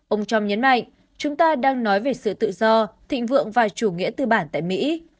ông trump nhấn mạnh chúng ta đang nói về sự tự do thịnh vượng và chủ nghĩa tư bản tại mỹ